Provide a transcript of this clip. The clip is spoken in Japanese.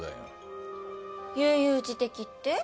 悠々自適って？